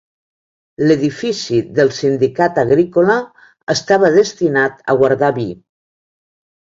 L'edifici del Sindicat Agrícola estava destinat a guardar vi.